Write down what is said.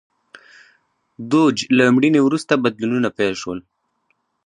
دوج له مړینې وروسته بدلونونه پیل شول.